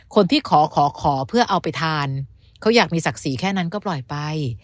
คนที่ขอขอเพื่อเอาไปทานเขาอยากมีศักดิ์ศรีแค่นั้นก็ปล่อยไป